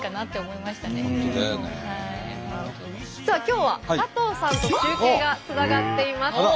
さあ今日は佐藤さんと中継がつながっています。